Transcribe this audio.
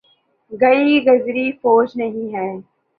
گئی گزری فوج نہیں ہے۔